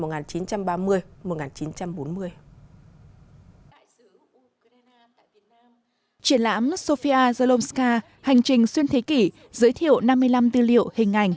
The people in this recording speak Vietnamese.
triển lãm sofia zalomska hành trình xuyên thế kỷ giới thiệu năm mươi năm tư liệu hình ảnh